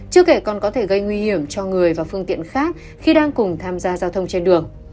chưa kể còn có thể gây nguy hiểm cho người và phương tiện khác khi đang cùng tham gia giao thông trên đường